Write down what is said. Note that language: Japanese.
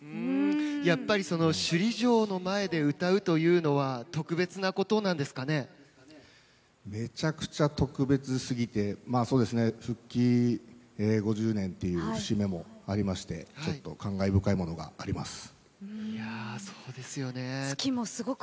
やっぱり首里城の前で歌うというのはめちゃくちゃ特別すぎて復帰５０年という節目もありまして感慨深いものがあります。